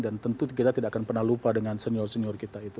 dan tentu kita tidak akan pernah lupa dengan senior senior kita itu